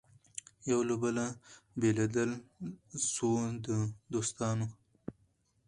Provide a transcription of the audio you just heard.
یو له بله بېلېدل سوه د دوستانو